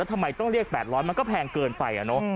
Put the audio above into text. ทำไมต้องเรียก๘๐๐มันก็แพงเกินไป